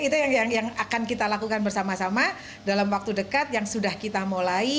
itu yang akan kita lakukan bersama sama dalam waktu dekat yang sudah kita mulai